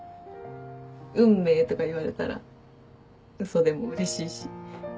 運命とか言われたら嘘でもうれしいし。